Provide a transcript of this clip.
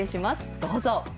どうぞ。